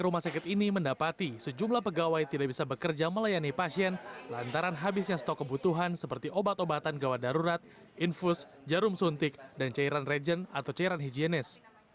rumah sakit ini mendapati sejumlah pegawai tidak bisa bekerja melayani pasien lantaran habisnya stok kebutuhan seperti obat obatan gawat darurat infus jarum suntik dan cairan regen atau cairan higienis